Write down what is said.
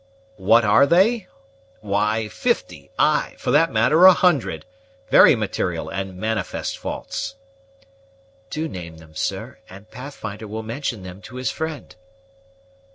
"What are they? Why, fifty; ay, for that matter a hundred. Very material and manifest faults." "Do name them, sir, and Pathfinder will mention them to his friend."